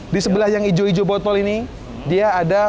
di sebelah yang hijau hijau botol ini dia ada